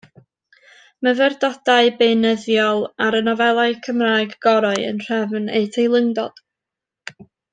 Myfyrdodau beunyddiol ar y nofelau Cymraeg gorau, yn nhrefn eu teilyngdod.